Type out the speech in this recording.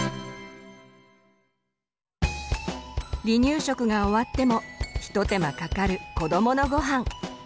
離乳食が終わっても一手間かかる子どものごはん。